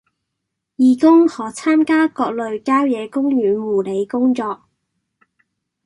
義工可參加各類郊野公園護理工作